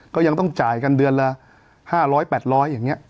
ก็ยังต้องจ่ายกันเดือนละ๕๐๐๘๐๐อย่างนี้